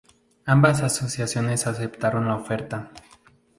Ambas asociaciones aceptaron la oferta.